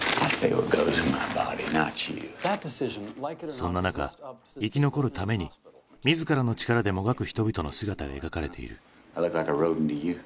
そんな中生き残るために自らの力でもがく人々の姿が描かれている。